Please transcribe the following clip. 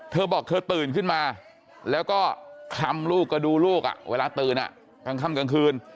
เธอบอกตื่นขึ้นมาแล้วก็คลำลูกกระดูางลูกเวลากำคับกลางคืน